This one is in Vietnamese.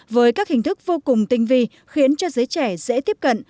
với các hình thức vô cùng tinh vi khiến cho giới trẻ dễ tiếp cận